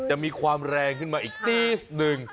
จะมีความแรงขึ้นมาอีกนิดหนึ่ง